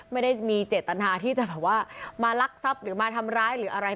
ไม่ได้มีเจตนาที่จะแบบว่ามาลักทรัพย์หรือมาทำร้ายหรืออะไร